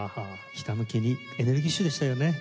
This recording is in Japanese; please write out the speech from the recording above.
ひたむきにエネルギッシュでしたよね。